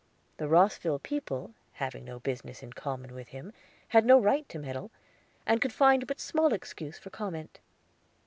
The Rosville people, having no business in common with him, had no right to meddle, and could find but small excuse for comment.